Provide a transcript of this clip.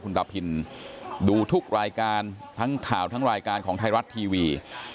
ตาพินดูทุกรายการทั้งข่าวทั้งรายการของไทยรัฐทีวี